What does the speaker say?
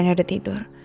rena udah tidur